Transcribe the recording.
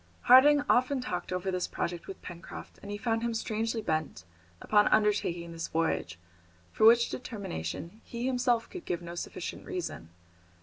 Harding often talked over this project with Pencroft, and he found him strangely bent upon undertaking this voyage, for which determination he himself could give no sufficient reason.